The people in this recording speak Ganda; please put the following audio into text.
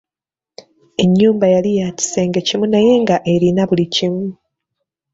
Ennyumba yali ya kisenge kimu naye nga erina buli kimu.